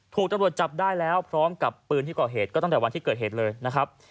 ถูกตำรวจจับได้แล้วพร้อมกับปืนที่ก่อเหตุก็ตั้งแต่วันที่เกิดเหตุเลยนะครับ